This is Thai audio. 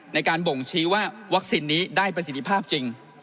บ่งชี้ว่าวัคซีนนี้ได้ประสิทธิภาพจริง